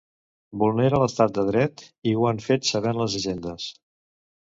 Vulnera l’estat de dret i ho han fet sabent les agendes.